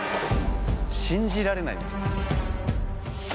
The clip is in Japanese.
信じられないです。